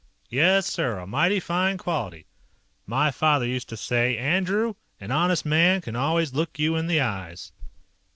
"Yes, sir, a mighty fine quality. My father used to say: 'Andrew, an honest man can always look you in the eyes.'"